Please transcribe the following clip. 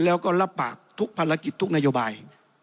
แล้วก็รับปากทุกธนาโยบาย